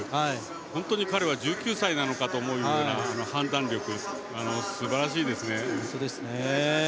本当に彼は１９歳なのかと思う判断力、すばらしいですね。